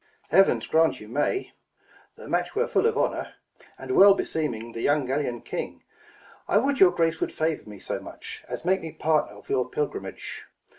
Mum. Heavens grant you may : the match were full of honour, And well beseeming the young Gallian king. I would your grace would favour me so much, As make me partner of your pilgrimage.